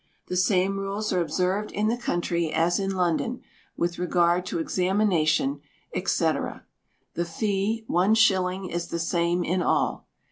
The same rules are observed in the country as in London, with regard to examination, &c. The fee one shilling is the same in all.